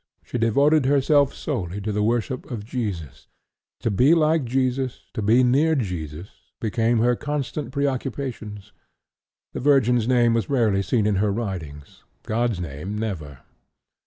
She devoted herself solely to the worship of Jesus; to be like Jesus, to be near Jesus, became her constant pre occupations. The Virgin's name was rarely seen in her writings, God's name never.